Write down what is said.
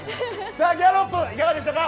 さあ、ギャロップいかがでしたか。